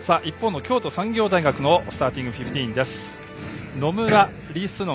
京都産業大学のスターティングフィフティーン。